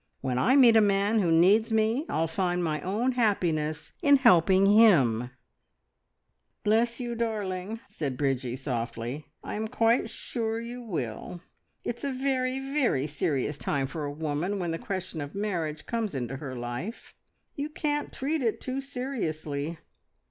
"When I meet a man who needs me I'll find my own happiness in helping him!" "Bless you, darling!" said Bridgie softly. "I am quite sure you will. ... It's a very, very serious time for a woman when the question of marriage comes into her life. You can't treat it too seriously.